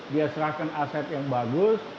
dia serahkan aset yang bagus